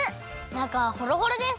なかはホロホロです！